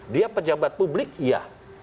dia pejabat publik iya